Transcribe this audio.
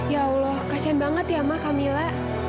ya allah kasian banget ya ma kamila